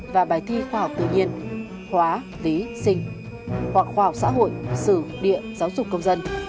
và bài thi khoa học tự nhiên khóa tí sinh hoặc khoa học xã hội sử địa giáo dục công dân